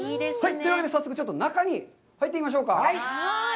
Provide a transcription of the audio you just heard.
というわけで、早速ちょっと中に入ってみましょうか。